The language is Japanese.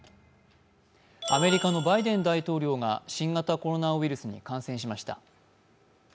アメリカのバイデン大統領が新型コロナウイルスに感染しました。